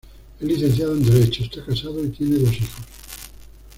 Es licenciado en derecho, está casado y tiene dos hijos.